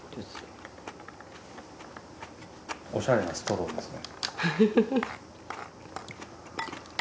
おしゃれなストローですね。